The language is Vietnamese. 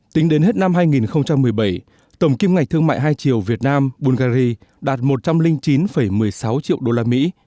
tính đến hết năm hai nghìn một mươi bảy tổng kim ngạch thương mại hai triệu việt nam bulgari đạt một trăm linh chín một mươi sáu triệu đô la mỹ